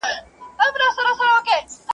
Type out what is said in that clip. هم ئې قسم واخستى، هم ئې دعوه بايلول.